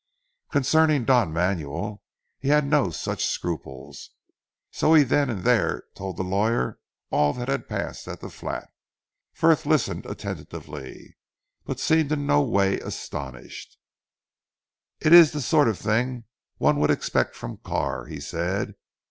Concerning Don Manuel, he had no such scruples, so he then and there told the lawyer all that had passed at the flat. Frith listened attentively, but seemed in no way astonished. "It is the sort of thing one would expect from Carr," he said.